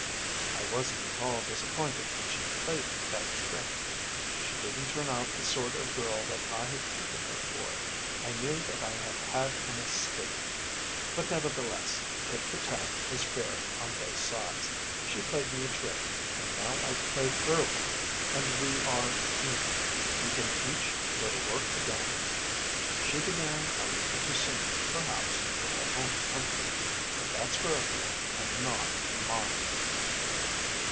I wasn't at all disappointed when she played me that trick. She didn't turn out the sort of girl that I had taken her for. I knew that I had had an escape. But, nevertheless, tit for tat is fair on both sides. She played me a trick, and now I've played her one and we are even. We can each go to work again. She began a little too soon, perhaps, for her own comfort; but that's her affair and not mine."